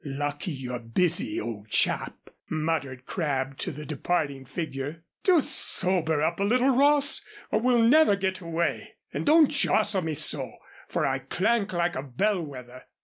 "Lucky you're busy, old chap," muttered Crabb to the departing figure. "Do sober up a little, Ross, or we'll never get away. And don't jostle me so, for I clank like a bellwether."